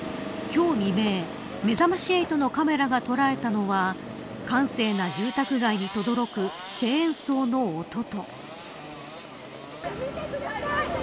今日未明、めざまし８のカメラが捉えたのは閑静な住宅街にとどろくチェーンソーの音。